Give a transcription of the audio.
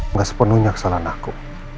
nggak sepenuhnya kesalahan aku